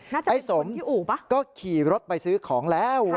น่าจะเป็นคนที่อู่ปะอเจมส์ไอ้สมก็ขี่รถไปซื้อของแล้ว